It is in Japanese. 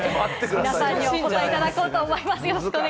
お答えいただこうと思います。